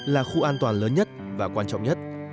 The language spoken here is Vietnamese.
là khu an toàn lớn nhất và quan trọng nhất